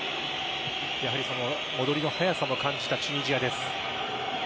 やはり戻りの速さも感じたチュニジアです。